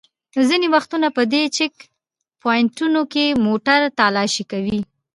ځینې وختونه په دې چېک پواینټونو کې موټر تالاشي کوي.